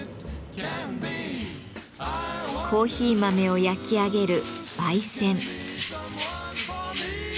コーヒー豆を焼き上げる「焙煎」。